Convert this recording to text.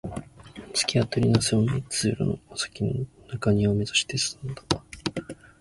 突き当たりの狭い通路の先の中庭を目指して進んだ